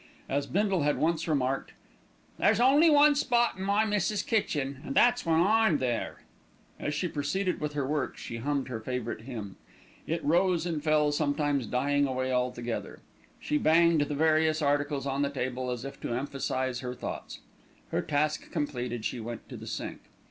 As Bindle had once remarked, "There's only one spot in my missis' kitchen, and that's when I'm there." As she proceeded with her work she hummed her favourite hymn; it rose and fell, sometimes dying away altogether. She banged the various articles on the table as if to emphasise her thoughts. Her task completed, she went to the sink.